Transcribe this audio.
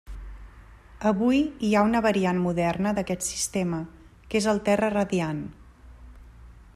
Avui hi ha una variant moderna d'aquest sistema, que és el terra radiant.